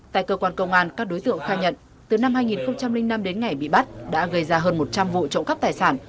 tại cơ quan công an các đối tượng khai nhận từ năm hai nghìn năm đến ngày bị bắt đã gây ra hơn một trăm linh vụ trộm cắp tài sản